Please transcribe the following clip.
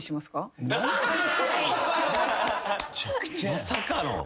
まさかの。